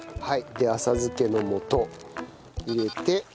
で浅漬けの素入れて。